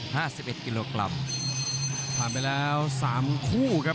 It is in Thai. ผ่านไปแล้ว๓คู่ครับต้องบอกว่าครบทุกรสชาติครับ